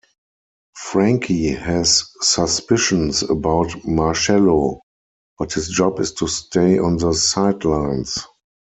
Frankie has suspicions about Marcello, but his job is to stay on the sidelines.